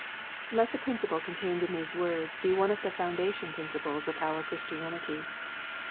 Let the principle contained in these words, be one of '* the foundation principles of our Christianity.